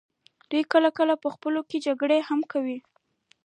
دوی کله کله خپلو کې جګړې هم کوي.